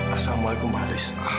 assalamualaikum pak haris